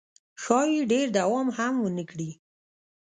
ښایي ډېر دوام هم ونه کړي.